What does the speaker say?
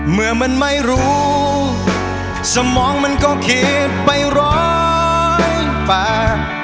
เมื่อมันไม่รู้สมองมันก็เขตไปร้อยป่า